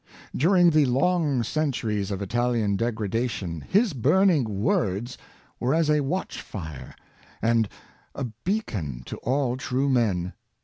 During the long centuries of Italian degreda tion his burning words were as a watch fire and a bea con to all true men.